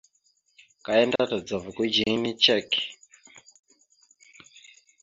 Aka yana ta tadzava kudziŋine cek.